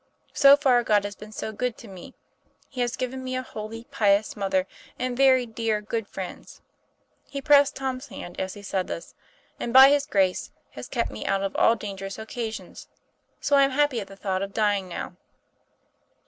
So far God has been so good to me; He has given me a holy, pious mother, and very dear, good friends," he pressed Tom's hand as he said this, "and, by His grace, has kept me out of all dangerous occasions. So I am happy at the thought of dying now."